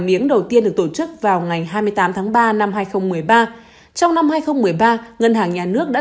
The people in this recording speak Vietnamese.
miếng đầu tiên được tổ chức vào ngày hai mươi tám tháng ba năm hai nghìn một mươi ba trong năm hai nghìn một mươi ba ngân hàng nhà nước đã